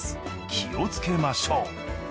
気をつけましょう。